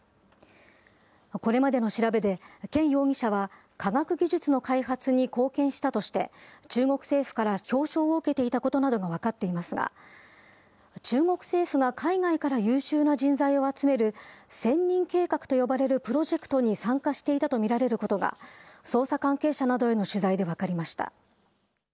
これまでの調べで、権容疑者は科学技術の開発に貢献したとして、中国政府から表彰を受けていたことなどが分かっていますが、中国政府が海外から優秀な人材を集める千人計画と呼ばれるプロジェクトに参加していたと見られることが、捜査関係者などへの取材で分かりました。